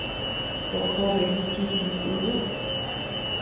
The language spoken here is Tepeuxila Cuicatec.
Job jobe jichis ñeʼe yuduu.